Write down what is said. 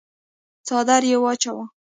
څادر يې واچاوه.